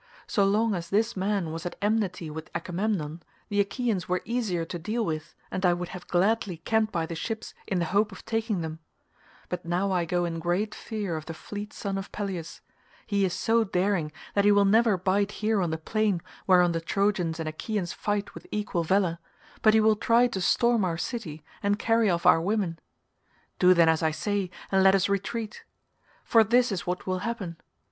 So long as this man was at enmity with Agamemnon the Achaeans were easier to deal with, and I would have gladly camped by the ships in the hope of taking them; but now I go in great fear of the fleet son of Peleus; he is so daring that he will never bide here on the plain whereon the Trojans and Achaeans fight with equal valour, but he will try to storm our city and carry off our women. Do then as I say, and let us retreat. For this is what will happen.